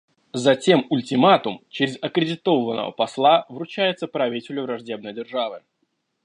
Затем ультиматум через аккредитованного посла вручается правителю враждебной державы.